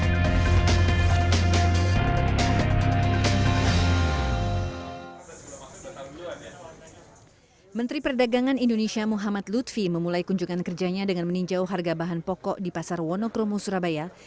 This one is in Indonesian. menteri perdagangan indonesia muhammad lutfi memulai kunjungan kerjanya dengan meninjau harga bahan pokok di pasar wonokromo surabaya